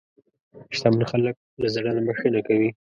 شتمن خلک له زړه نه بښنه کوي.